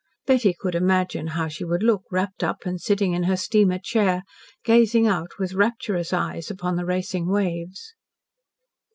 Betty could imagine how she would look wrapped up and sitting in her steamer chair, gazing out with rapturous eyes upon the racing waves.